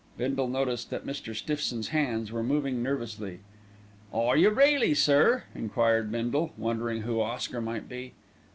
Bindle noticed that Mr. Stiffson's hands were moving nervously. "Are you really, sir?" enquired Bindle, wondering who Oscar might be.